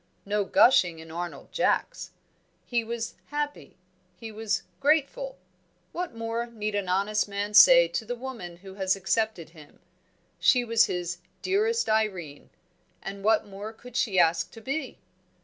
No gushing in Arnold Jacks! He was "happy," he was "grateful"; what more need an honest man say to the woman who has accepted him? She was his "Dearest Irene"; and what more could she ask to be?